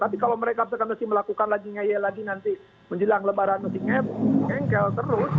tapi kalau mereka sekarang masih melakukan lagi ngeyel lagi nanti menjelang lebaran masih ngebel kengkel terus